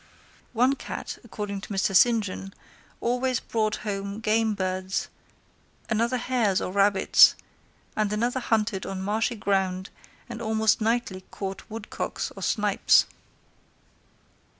One cat, according to Mr. St. John, always brought home game birds, another hares or rabbits, and another hunted on marshy ground and almost nightly caught woodcocks or snipes.